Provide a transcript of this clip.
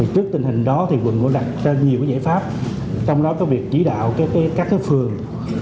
trước tình hình đó quận cũng đặt ra nhiều giải pháp trong đó có việc chỉ đạo các phường